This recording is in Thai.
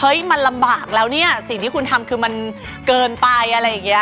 มันลำบากแล้วเนี่ยสิ่งที่คุณทำคือมันเกินไปอะไรอย่างนี้